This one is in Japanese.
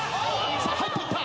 さあ入っていった！